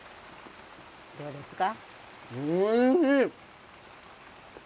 どうですか？